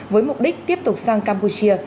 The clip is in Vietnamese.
với mục đích tiếp tục sang campuchia